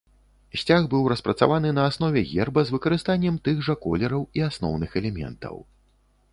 Сцяг быў распрацаваны на аснове герба з выкарыстаннем тых жа колераў і асноўных элементаў.